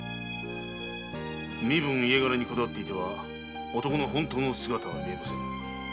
身分・家柄にこだわっていては男の本当の姿は見えませぬ。